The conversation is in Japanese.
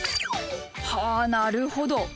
はあなるほど。